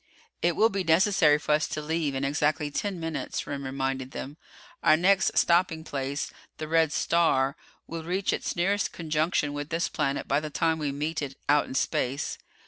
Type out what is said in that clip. "It will be necessary for us to leave in exactly ten minutes," Remm reminded them. "Our next stopping place the red star will reach its nearest conjunction with this planet by the time we meet it out in space."